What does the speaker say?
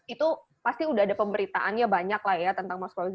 itu pasti udah ada pemberitaannya banyak lah ya tentang mas fauzi